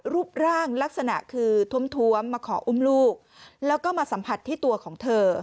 รูปร่างลักษณะคือท้วมมาขออุ้มลูกแล้วก็มาสัมผัสที่ตัวของเธอ